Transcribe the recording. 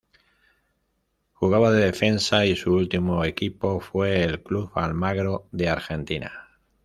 Jugaba de defensa y su último equipo fue el Club Almagro de Argentina.